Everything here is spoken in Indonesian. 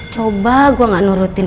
coba gue gak nurutin